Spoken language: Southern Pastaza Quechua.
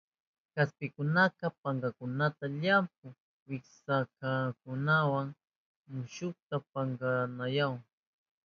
Kaspikunaka pankankuna llampu wicharishkankunawasha mushumanta pankayanahun.